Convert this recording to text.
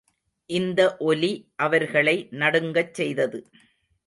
இந்த ஒலி அவர்களை நடுங்கச் செய்தது.